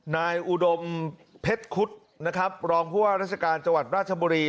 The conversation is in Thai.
นายอุดมเผ็ดคุสรองพวกราชการราชบนี้